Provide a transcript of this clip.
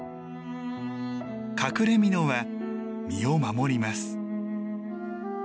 隠れみのは身を守ります。